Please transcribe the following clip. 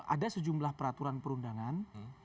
ada sejumlah peraturan perundangan